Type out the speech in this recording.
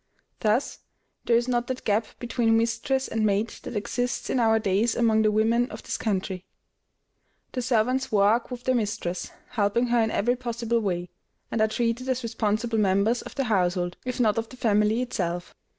Thus there is not that gap between mistress and maid that exists in our days among the women of this country. The servants work with their mistress, helping her in every possible way, and are treated as responsible members of the household, if not of the family itself.